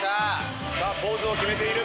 さあポーズを決めている。